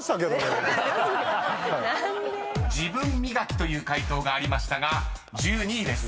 ［自分磨きという回答がありましたが１２位です］